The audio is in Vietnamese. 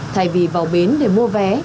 thay vì vào bến để mua vé